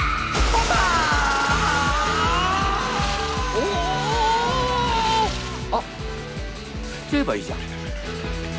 おお！あっすっちゃえばいいじゃん！